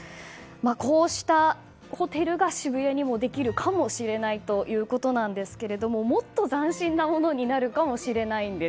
こうしたホテルが渋谷にもできるかもしれないということですがもっと斬新なものになるかもしれないんです。